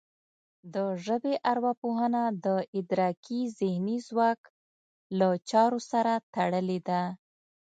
د ژبې ارواپوهنه د ادراکي ذهني ځواک له چارو سره تړلې ده